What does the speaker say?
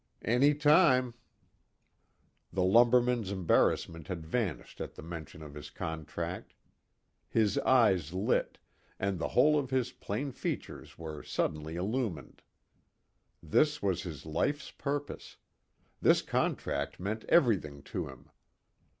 "Any time." The lumberman's embarrassment had vanished at the mention of his contract. His eyes lit, and the whole of his plain features were suddenly illumined. This was his life's purpose. This contract meant everything to him.